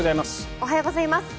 おはようございます。